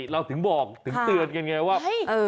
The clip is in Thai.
เราถึงบอกถึงเตือนกันไงว่า